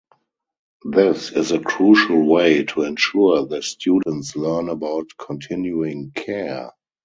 This is a crucial way to ensure the students learn about continuing care.